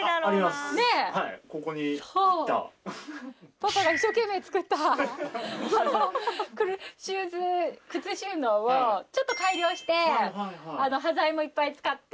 パパが一生懸命作ったあの靴収納をちょっと改良して端材もいっぱい使って。